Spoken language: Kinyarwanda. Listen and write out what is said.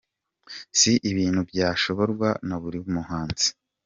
Si ibintu byashoborwa na buri muhanzi.